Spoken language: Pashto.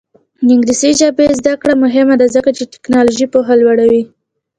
د انګلیسي ژبې زده کړه مهمه ده ځکه چې تکنالوژي پوهه لوړوي.